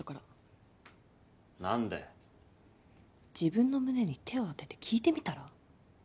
自分の胸に手を当てて聞いてみたら？